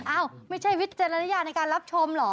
อ้าวไม่ใช่วิจารณญาณในการรับชมเหรอ